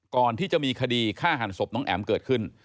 ก่อนที่จะมีคดีฆ่าหันศพน้องแอ๋มเกิดขึ้น